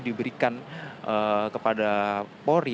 diberikan kepada polri